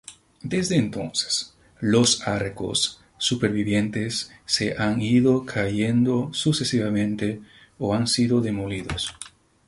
Desde entonces, los arcos supervivientes se han ido cayendo sucesivamente o han sido demolidos.